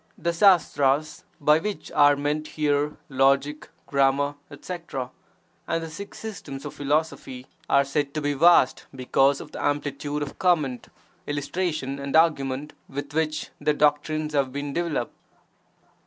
[The sastras, by which are meant here logic, grammar, etc., and the six systems of philosophy, are said to be vast because HUNDRED VERSES ON RENUNCIATION 45 of the amplitude of comment, illustration, and argument with which their doctrines have been developed.